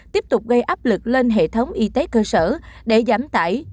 tiếp tục gây áp lực lên hệ thống y tế cơ sở để giảm tải